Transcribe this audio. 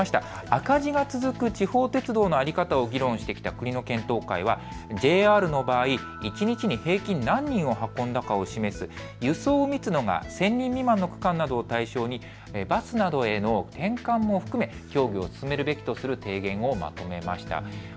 赤字が続く地方鉄道の在り方を議論してきた国の検討会はＪＲの場合、一日に平均何人を運んだかを示す輸送密度が１０００人未満の区間などを対象にバスなどへの転換も含め協議を進めるべきとする提言をまとめました。